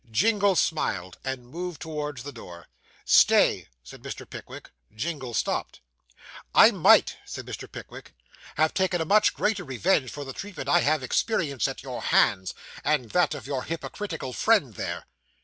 Jingle smiled, and moved towards the door. 'Stay!' said Mr. Pickwick. Jingle stopped. 'I might,' said Mr. Pickwick, 'have taken a much greater revenge for the treatment I have experienced at your hands, and that of your hypocritical friend there.